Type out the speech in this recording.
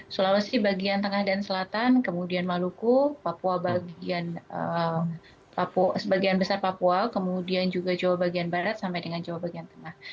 sulawesi bagian tengah dan selatan kemudian maluku papua sebagian besar papua kemudian juga jawa bagian barat sampai dengan jawa bagian tengah